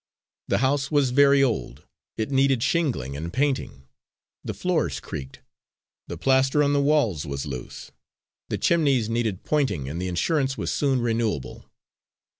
The house was very old. It needed shingling and painting. The floors creaked; the plaster on the walls was loose; the chimneys needed pointing and the insurance was soon renewable.